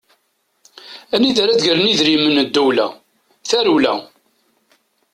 Anida ara d-gren idrimen n ddewla, tarewla!